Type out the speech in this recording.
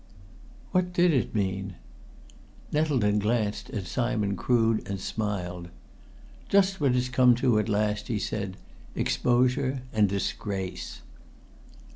"What did it mean?" Nettleton glanced at Simon Crood and smiled. "Just what it's come to, at last," he said. "Exposure and disgrace!"